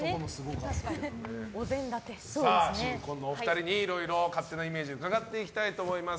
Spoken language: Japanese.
新婚のお二人にいろいろ勝手なイメージ伺っていきたいと思います。